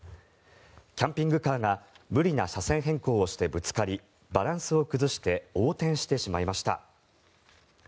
キャンピングカーが無理な車線変更をしてぶつかりバランスを崩して横転してしまいました。